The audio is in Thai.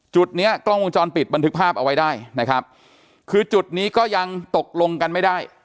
จุดเนี้ยกล้องวงจรปิดบันทึกภาพเอาไว้ได้นะครับคือจุดนี้ก็ยังตกลงกันไม่ได้